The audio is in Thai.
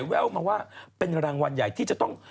แววมาว่าเป็นรางวัลใหญ่ที่จะต้อง